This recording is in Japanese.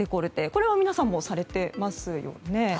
これは皆さんもされていますよね。